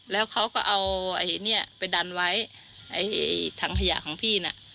แล้วเขาก็เอาไอ้เนี่ยไปดันไว้ไอ้ถังขยะของพี่น่ะ